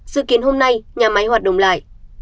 dự kiến hôm nay nhà máy hoạt động lại